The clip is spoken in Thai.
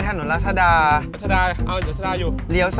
ไปเลย